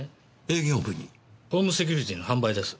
ホームセキュリティーの販売です。